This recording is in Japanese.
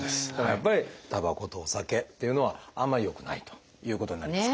やっぱりたばことお酒っていうのはあんまり良くないということになりますかね。